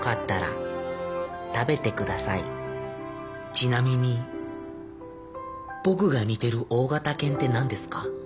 ちなみに僕が似てる大型犬って何ですか？